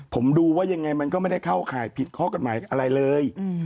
ผมดูว่ายังไงมันก็ไม่ได้เข้าข่ายผิดข้อกฎหมายอะไรเลย